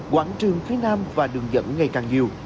quảng trường phía nam và đường dẫn ngày càng nhiều